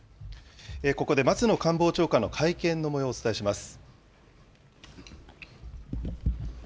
ここで松野官房長官の会見のもようをお伝えします。